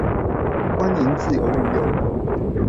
歡迎自由運用